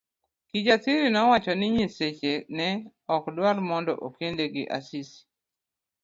Kijasiri nowacho ni nyiseche ne okdwar mondo okende gi Asisi.